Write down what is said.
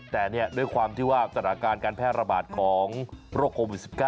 แต่ด้วยความที่ว่าสถานการณ์การแพร่ระบาดของโรคโควิด๑๙